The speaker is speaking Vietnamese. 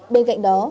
bên cạnh đó